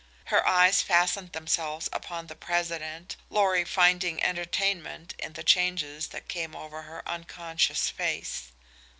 Her eyes fastened themselves upon the President, Lorry finding entertainment in the changes that came over her unconscious face.